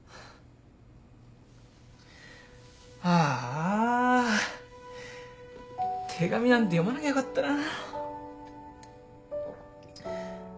ああ手紙なんて読まなきゃよかったな。